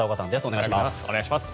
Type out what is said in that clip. お願いします。